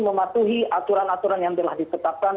mematuhi aturan aturan yang telah ditetapkan